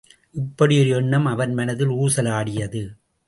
இப்படியொரு எண்ணம் அவன் மனத்திலே ஊசலாடியது.